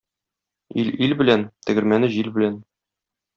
Ил ил белән, тегермәне җил белән.